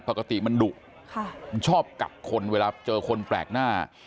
ปกติมันดุมันชอบกัดคนเวลาเจอคนแปลกหน้า